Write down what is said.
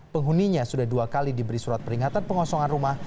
penghuninya sudah dua kali diberi surat peringatan pengosongan rumah